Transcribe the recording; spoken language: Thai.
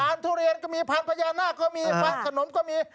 ผ่านทุเรียนก็มีผ่านพญานาคก็มีผ่านขนมก็มี